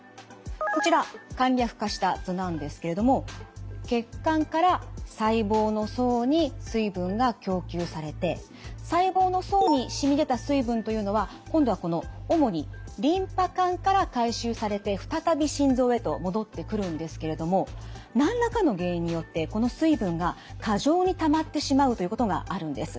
こちら簡略化した図なんですけれども血管から細胞の層に水分が供給されて細胞の層にしみ出た水分というのは今度はこの主にリンパ管から回収されて再び心臓へと戻ってくるんですけれども何らかの原因によってこの水分が過剰にたまってしまうということがあるんです。